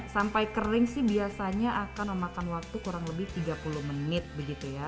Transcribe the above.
sampai kering sih biasanya akan memakan waktu kurang lebih tiga puluh menit begitu ya